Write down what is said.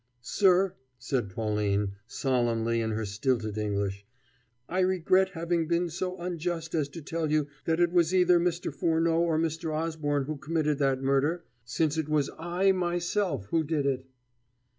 "Sir," said Pauline solemnly in her stilted English, "I regret having been so unjust as to tell you that it was either Mr. Furneaux or Mr. Osborne who committed that murder, since it was I myself who did it."